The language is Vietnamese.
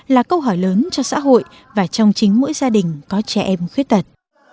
là câu hỏi lớn cho xã hội và trong chính mỗi gia đình có trẻ em khuyết tật